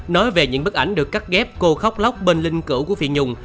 nói về những bức ảnh được cắt ghép cô khóc lóc bên linh cử của phiền nhung